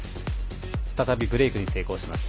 再びブレークに成功します。